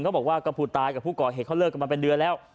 เขาบอกว่าก็ผู้ตายกับผู้ก่อเหตุเขาเลิกกันมาเป็นเดือนแล้ว